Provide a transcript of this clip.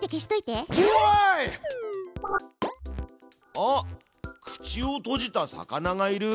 あっ口を閉じた魚がいる。